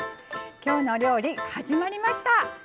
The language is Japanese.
「きょうの料理」始まりました。